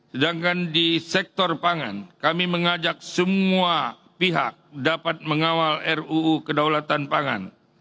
sedangkan di sektor pangan kami mengajak semua pihak dapat mengawal ruu kedaulatan pangan